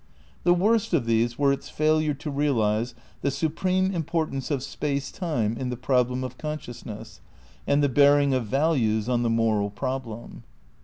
The worst of these were its failure to realise the supreme importance of Space Time in the problem of consciousness, and the bearing of Values on the moral problem.